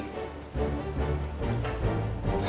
siapapun yang kalah di pertarungan nanti